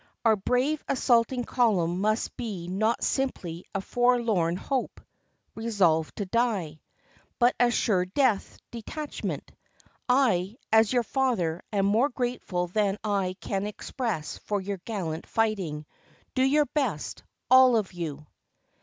Our brave assaulting column must be not simply a forlorn hope ('resolved to die'),but a 'sure death' detachment. I as your father am more grateful than I can express for your gallant fighting. Do your best, all of you."